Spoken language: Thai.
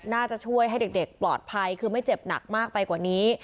น่าจะช่วยให้เด็กปลอดภัยคือไม่เจ็บหนักมากไปกว่านี้